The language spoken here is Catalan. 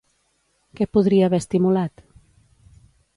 Què podria haver estimulat?